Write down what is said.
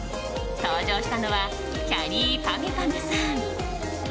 登場したのはきゃりーぱみゅぱみゅさん。